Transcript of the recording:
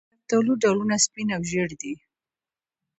د شفتالو ډولونه سپین او ژیړ دي.